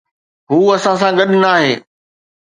هو اسان سان گڏ ناهي.